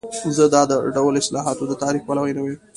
زه د دا ډول اصطلاحاتو د تعریف پلوی نه یم.